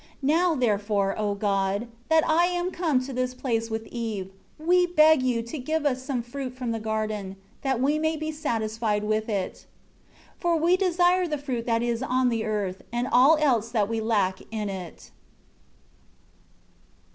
23 Now, therefore, O God, that I am come to this place with Eve, we beg You to give us some fruit from the garden, that we may be satisfied with it. 24 For we desire the fruit that is on the earth, and all else that we lack in it."